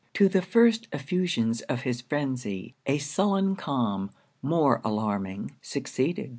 To the first effusions of his phrenzy, a sullen calm, more alarming, succeeded.